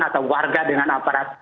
atau warga dengan aparat